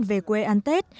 về quê ăn tết